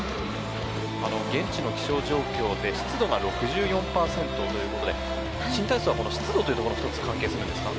現地の気象状況で湿度が６４％ということで新体操は湿度ということも関係するんですか？